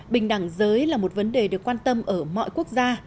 bình đẳng giới là một vấn đề được quan tâm ở mọi quốc gia